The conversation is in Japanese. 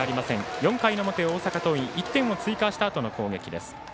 ４回の表、大阪桐蔭１点を追加したあとの攻撃です。